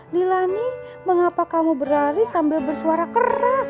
lila nih mengapa kamu berlari sambil bersuara keras